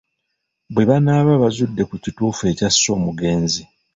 Bwe banaaba bazudde ku kituufu ekyasse omugenzi.